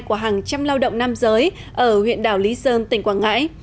của hàng trăm lao động nam giới ở huyện đảo lý sơn tỉnh quảng ngãi